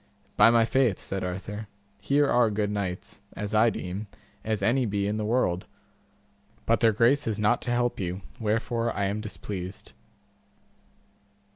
By my faith, said Arthur, here are good knights, as I deem, as any be in the world, but their grace is not to help you, wherefore I am displeased.